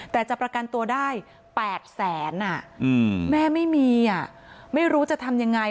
แต่จะประกันตัวได้แปดแสนอ่ะอืมแม่ไม่มีอ่ะไม่รู้จะทำยังไง